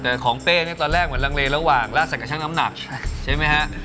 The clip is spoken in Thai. แต่ของเป้นี่ตอนแรกเหมือนลังเลระหว่างลาดใส่กับช่างน้ำหนักใช่ไหมฮะ